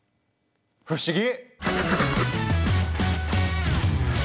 不思議！